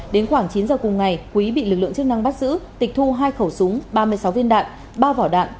đến khoảng chín giờ cùng ngày quý bị lực lượng chức năng bắt giữ tịch thu hai khẩu súng ba mươi sáu viên đạn ba vỏ đạn